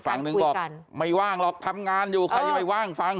ฝั่งหนึ่งบอกไม่ว่างหรอกทำงานอยู่ใครจะไปว่างฟัง